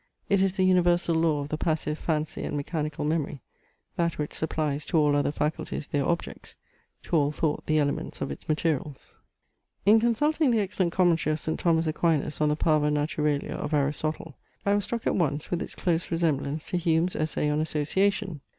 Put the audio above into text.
It is the universal law of the passive fancy and mechanical memory; that which supplies to all other faculties their objects, to all thought the elements of its materials. In consulting the excellent commentary of St. Thomas Aquinas on the Parva Naturalia of Aristotle, I was struck at once with its close resemblance to Hume's Essay on Association.